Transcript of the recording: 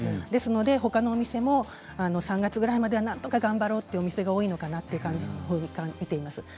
ですのでほかのお店も３月くらいまではなんとか頑張ろうという店が多いのかなという感じで見ています。